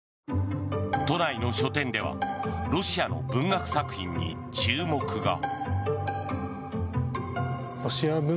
都内の書店ではロシアの文学作品に注目が。